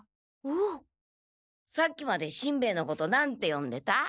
さっきまでしんべヱのこと何てよんでた？